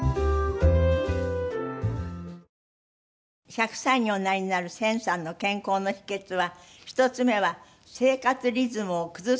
１００歳におなりになる千さんの健康の秘訣は１つ目は生活リズムを崩さないという事です。